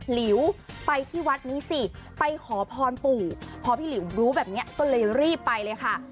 หลิวไปที่วัดนี้สิไปขอพรปู่พอพี่หลิวรู้แบบนี้ก็เลยรีบไปเลยค่ะ